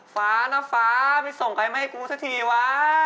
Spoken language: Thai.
ฟ้านะฟ้าไปส่งใครมาให้กูสักทีวะ